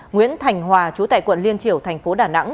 nguyễn thành hòa chú tại quận liên triều tp đà nẵng